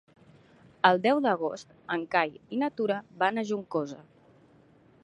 El deu d'agost en Cai i na Tura van a Juncosa.